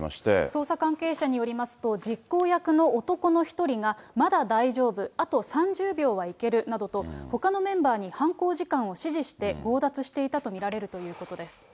捜査関係者によりますと、実行役の男の１人が、まだ大丈夫、あと３０秒はいけるなどと、ほかのメンバーに犯行時間を指示して、強奪していたと見られるということです。